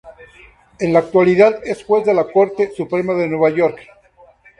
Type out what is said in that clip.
En la actualidad es juez de la Corte Suprema de Nueva York.